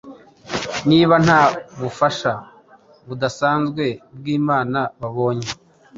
niba nta bufasha budasanzwe bw’Imana babonye.